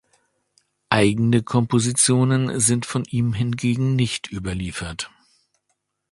Eigene Kompositionen sind von ihm hingegen nicht überliefert.